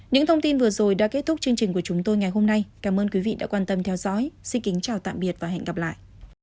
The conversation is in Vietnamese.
những thông tin vừa rồi đã kết thúc chương trình của chúng tôi ngày hôm nay cảm ơn quý vị đã quan tâm theo dõi xin kính chào tạm biệt và hẹn gặp lại